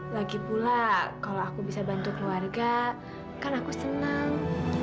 lagipula kalau aku bisa bantu keluarga kan aku senang